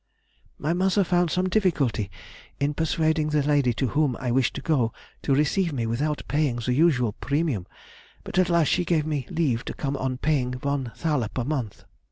_] "My mother found some difficulty in persuading the lady to whom I wished to go, to receive me without paying the usual premium, but at last she gave me leave to come on paying one thaler per month.